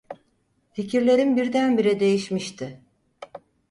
Fikirlerim birdenbire değişmişti.